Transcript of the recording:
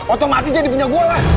otomatis jadi punya gue lah